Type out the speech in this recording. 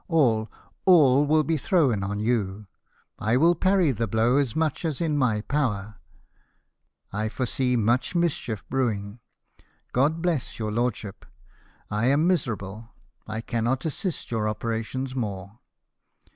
All, all, will be thrown on you ! I will parry the blow as much as in my power ; I foresee much mischief brewing. God bless your lordship ! I am miserable, I cannot assist your operations more.